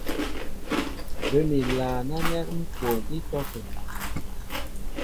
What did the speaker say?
Bə́ mi ilaan ánɛ́ ŋ́ kwoon ítɔ́kə̂.